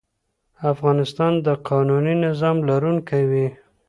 افغانستان د قانوني نظام لرونکی وي.